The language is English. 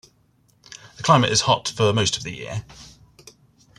The climate is hot for most of the year.